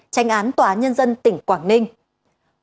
tranh án tòa án nhân dân tỉnh quảng ninh